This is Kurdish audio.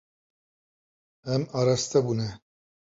Em araste bûne.